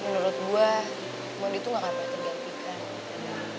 menurut gue mondi itu gak akan tergantikan